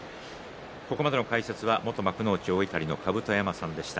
ここまでの解説は元幕内大碇の甲山さんでした。